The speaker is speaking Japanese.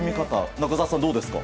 中澤さん、どうですか？